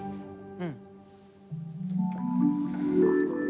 うん。